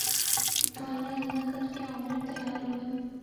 سو اللہ اللہ کر کے آملیٹ تیار ہوئے